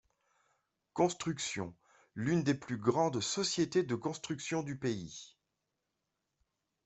Construction, l'une des plus grandes sociétés de construction du pays.